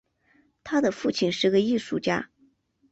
他的父亲是个艺术家。